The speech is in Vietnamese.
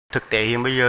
thực tế hiện bây giờ